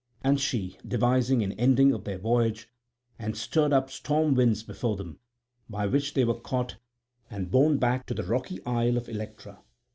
And she devised an ending of their voyage and stirred up storm winds before them, by which they were caught and borne back to the rocky isle of Electra.